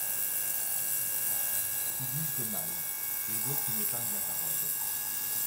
Tu dis c'est mal ! -Et j'ôte une épingle à ta robe ;